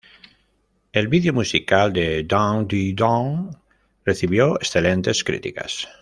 El vídeo musical de Dum Dee Dum recibió excelentes críticas.